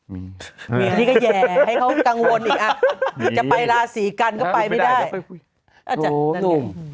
มีมีก็แยกให้เขากังวลอีกอ่ะจะไปลาสี่กันก็ไปไม่ได้อ้าจ๊ะโหนุ่ม